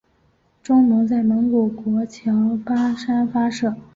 中波在蒙古国乔巴山发射。